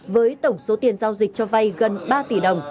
với tổng số tiền giao dịch cho vay gần ba tỷ đồng